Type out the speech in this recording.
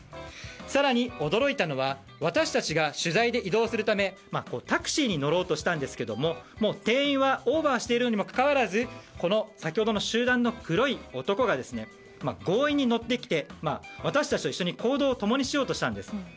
更に驚いたのは私たちが取材で移動するためタクシーに乗ろうとしたんですが定員はオーバーしているにもかかわらず先ほどの集団の黒い男が強引に乗ってきて私たちと一緒に行動を共にしようとしたんです。